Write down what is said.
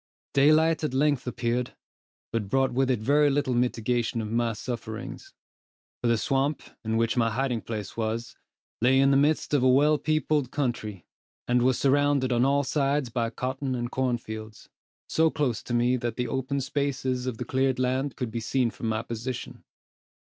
Daylight at length appeared, but brought with it very little mitigation of my sufferings; for the swamp, in which my hiding place was, lay in the midst of a well peopled country, and was surrounded on all sides by cotton and corn fields, so close to me that the open spaces of the cleared land could be seen from my position.